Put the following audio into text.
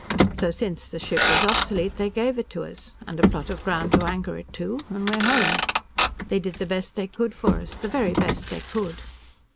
So, since the ship was obsolete, they gave it to us, and a plot of ground to anchor it to, and we're home. They did the best they could for us, the very best they could."